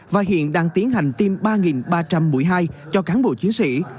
và hiện đang tiến hành tiêm ba ba trăm linh mũi hai cho cán bộ chiến sĩ